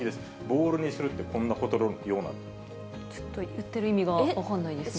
ボールにするってこんなことのようなんです。